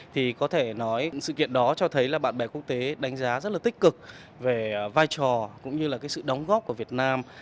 thì có thể nói sự kiện đó cho thấy là bạn bè quốc tế đánh giá rất là tích cực về vai trò cũng như là cái sự đóng góp của việt nam